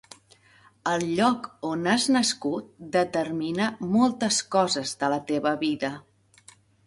El lloc on has nascut determina moltes coses de la teva vida.